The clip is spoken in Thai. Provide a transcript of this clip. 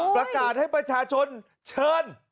ประกาศให้ประชาชนเชิญ